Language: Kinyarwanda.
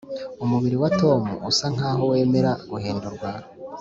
umubiri wa tom usa nkaho wemera guhindurwa.